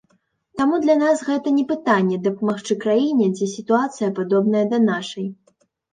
Таму для нас гэта не пытанне дапамагчы краіне, дзе сітуацыя падобная да нашай.